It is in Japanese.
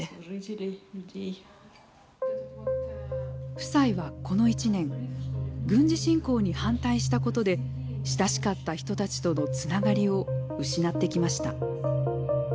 夫妻はこの１年軍事侵攻に反対したことで親しかった人たちとのつながりを失ってきました。